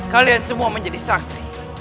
kalian semua menjadi saksi